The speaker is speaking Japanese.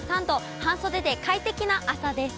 半袖で快適な朝です。